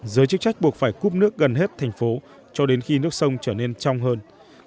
giới chức trách buộc phải cúp nước gần hết thành phố cho đến khi nước sông trở nên trong hơn